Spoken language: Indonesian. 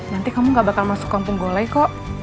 nanti kamu gak bakal masuk kampung gulai kok